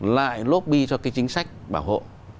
lại lô bi cho cái chính sách bảo hộ